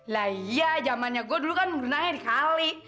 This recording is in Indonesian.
lah iya zamannya gue dulu kan berenangnya di kali